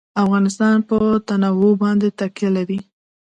افغانستان په تنوع باندې تکیه لري.